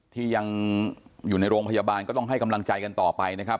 ที่ยังอยู่ในโรงพยาบาลก็ต้องให้กำลังใจกันต่อไปนะครับ